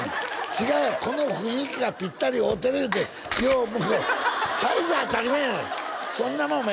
違うやろこの雰囲気がピッタリ合うてる言うてサイズは当たり前やないかいそんなもんお前